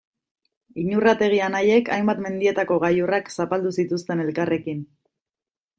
Iñurrategi anaiek hainbat mendietako gailurrak zapaldu zituzten elkarrekin.